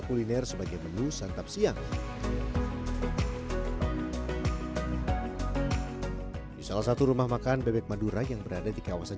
kuliner sebagai menu santap siang di salah satu rumah makan bebek madura yang berada di kawasan